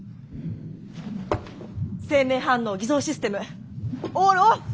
生命反応偽装システムオールオフ！